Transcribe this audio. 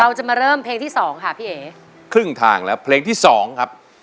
เราจะมาเริ่มเพลงที่สองค่ะพี่เอ๋ครึ่งทางแล้วเพลงที่สองครับ